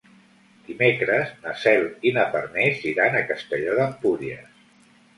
Dimecres na Cel i na Farners iran a Castelló d'Empúries.